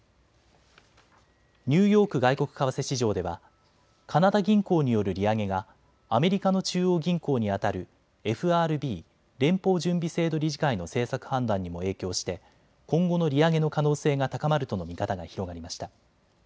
ニューヨーク外国為替市場ではカナダ銀行による利上げがアメリカの中央銀行にあたるＦＲＢ・連邦準備制度理事会の政策判断にも影響して今後の利上げの可能性が高まるとの見方が広がりました。